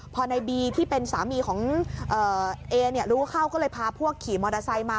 พอในบีที่เป็นสามีของเอเนี่ยรู้เข้าก็เลยพาพวกขี่มอเตอร์ไซค์มา